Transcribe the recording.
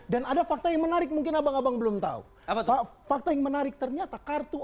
dan ada fakta yang menarik mungkin abang abang belum tahu fakta yang menarik ternyata kartu